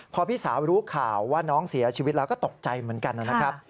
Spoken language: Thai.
พอพี่สาวรู้ข่าวว่าน้องเสียชีวิตแล้วก็ตกใจเหมือนกันนะครับ